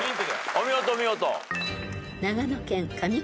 お見事お見事。